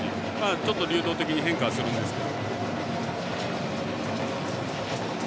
ちょっと流動的に変化はするんですけど。